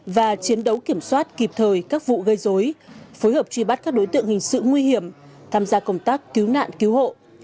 và chiến đấu kiểm soát kịp thời các vụ gây dối phối hợp truy bắt các đối tượng hình sự nguy hiểm tham gia công tác cứu nạn cứu hộ